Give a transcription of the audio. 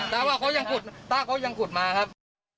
แต่ว่าเขายังขุดมาครับ